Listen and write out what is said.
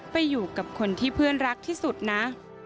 ไปอยู่กับคนที่เพื่อนรักที่สุดนะ